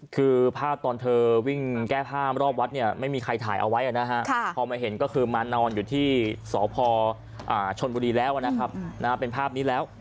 คือภาพตอนเธอวิ่งแก้ผ้ารอบวัดเนี่ยไม่มีใครถ่ายเอาไว้นะฮะพอมาเห็นก็คือมานอนอยู่ที่สพชนบุรีแล้วนะครับเป็นภาพนี้แล้ว